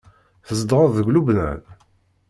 Tzedɣeḍ deg Lubnan?